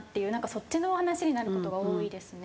そっちの話になる事が多いですね。